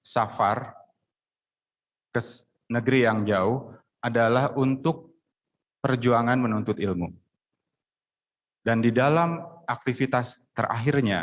safar ke negeri yang jauh adalah untuk perjuangan menuntut ilmu dan di dalam aktivitas terakhirnya